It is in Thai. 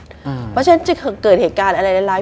เพราะฉะนั้นจะเกิดเหตุการณ์อะไรร้าย